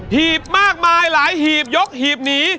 หีบมากมายหลายหีบยกหีบหนี